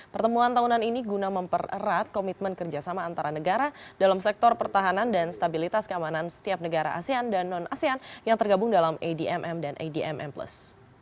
pertemuan tahunan ini guna mempererat komitmen kerjasama antara negara dalam sektor pertahanan dan stabilitas keamanan setiap negara asean dan non asean yang tergabung dalam admm dan adm m plus